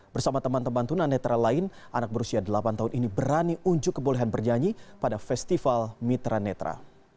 bersama teman teman tunanetra lain anak berusia delapan tahun ini berani unjuk kebolehan bernyanyi pada festival mitra netra